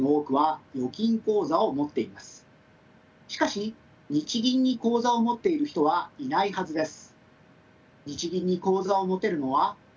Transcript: しかし日銀に口座を持っている人はいないはずです。